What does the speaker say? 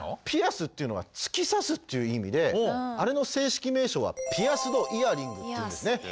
ピアスっていうのは突き刺すっていう意味であれの正式名称は「ピアスド・イヤリング」って言うんですね。